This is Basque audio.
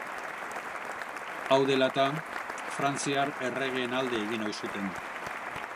Hau dela eta, Frantziar erregeen alde egin ohi zuten.